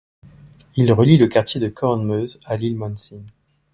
Il relie le quartier de Coronmeuse à l'île Monsin.